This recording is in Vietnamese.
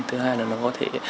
thứ hai là nó có thể